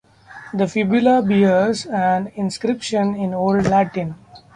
The fibula bears an inscription in Old Latin.